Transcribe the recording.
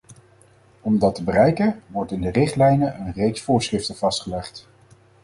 Om dat te bereiken, wordt in de richtlijnen een reeks voorschriften vastgelegd.